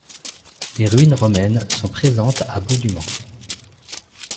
Des ruines romaines sont présentes à Beaudument.